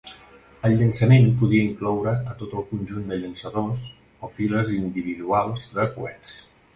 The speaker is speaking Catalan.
El llançament podia incloure a tot el conjunt de llançadors o files individuals de coets.